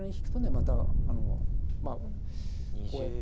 またあのまあこうやって。